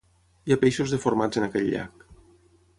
Hi ha peixos deformats en aquell llac.